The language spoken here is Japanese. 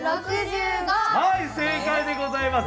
はい正解でございます。